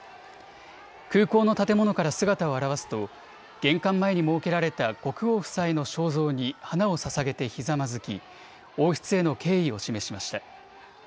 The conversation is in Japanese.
空港の建物から姿を現すと玄関前に設けられた国王夫妻の肖像に花をささげてひざまずき王室への敬意を示しました。